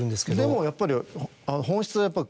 でもやっぱり本質はやっぱ。